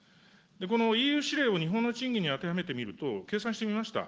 このＥＵ指令を日本の賃金に当てはめてみると、計算してみました。